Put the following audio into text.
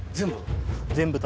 全部？